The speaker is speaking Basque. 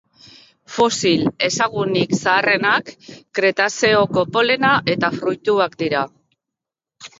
Fosil ezagunik zaharrenak Kretazeoko polena eta fruituak dira.